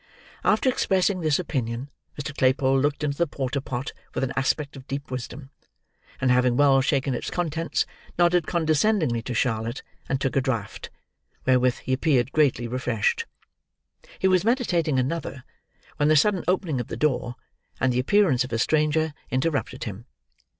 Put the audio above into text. After expressing this opinion, Mr. Claypole looked into the porter pot with an aspect of deep wisdom; and having well shaken its contents, nodded condescendingly to Charlotte, and took a draught, wherewith he appeared greatly refreshed. He was meditating another, when the sudden opening of the door, and the appearance of a stranger, interrupted him.